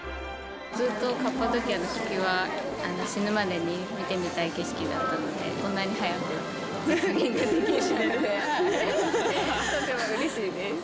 ずっとカッパドキアの気球は死ぬまでに見てみたい景色だったので、こんなに早く実現できるなんて、とてもうれしいです。